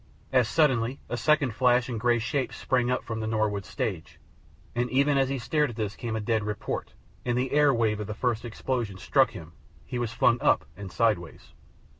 As suddenly a second flash and grey shape sprang up from the Norwood stage. And even as he stared at this came a dead report; and the air wave of the first explosion struck him. He was flung up and sideways.